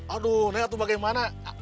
aduh neng atau bagaimana